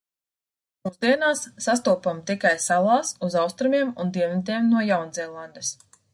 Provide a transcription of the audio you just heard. Mūsdienās sastopama tikai salās uz austrumiem un dienvidiem no Jaunzēlandes.